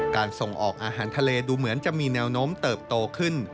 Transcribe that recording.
ส่งออกอาหารทะเลดูเหมือนจะมีแนวโน้มเติบโตขึ้น